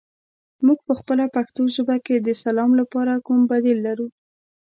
موږ پخپله پښتو ژبه کې د سلام لپاره کوم بدیل لرو؟